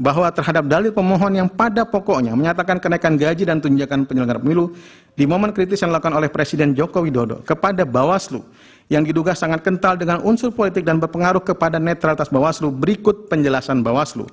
bahwa terhadap dalil pemohon yang pada pokoknya menyatakan kenaikan gaji dan tunjangan penyelenggara pemilu di momen kritis yang dilakukan oleh presiden joko widodo kepada bawaslu yang diduga sangat kental dengan unsur politik dan berpengaruh kepada netralitas bawaslu berikut penjelasan bawaslu